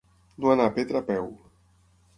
No anar a Petra a peu.